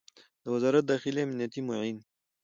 د وزارت داخلې امنیتي معین